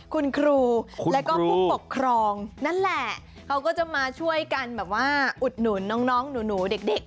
คุณครูแล้วก็ผู้ปกครองนั่นแหละเขาก็จะมาช่วยกันแบบว่าอุดหนุนน้องหนูเด็ก